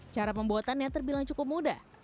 cara pembuatannya terbilang cukup mudah